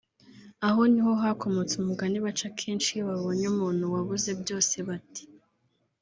Aho ni ho hakomotse umugani baca kenshi iyo babonye umuntu wabuze byose bati